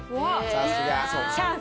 さすが。